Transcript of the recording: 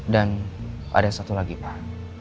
dan ada satu lagi pak